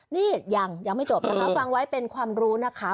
นี่ยังยังไม่จบนะคะฟังไว้เป็นความรู้นะคะ